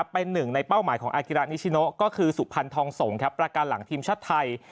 เป็นหนึ่งในเป้าหมายของอากิระนิชิโนก็คือสุพรรณทองสงฆ์ประการหลังทีมชาติไทย